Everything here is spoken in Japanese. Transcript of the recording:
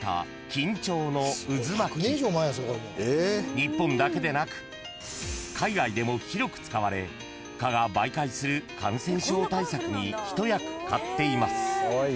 ［日本だけでなく海外でも広く使われ蚊が媒介する感染症対策に一役買っています］